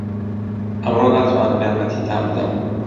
ئەمڕۆ ناتوانم یارمەتیتان بدەم.